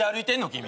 君。